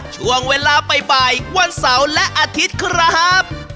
ช่วงเวลาบ่ายวันเสาร์และอาทิตย์ครับ